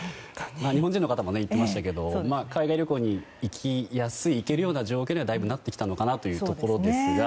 日本人の方も言っていましたけど海外旅行に行きやすい行けるような状況にはだいぶなってきたのかなというところですが。